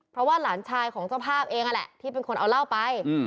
เพราะว่าหลานชายของเจ้าภาพเองนั่นแหละที่เป็นคนเอาเหล้าไป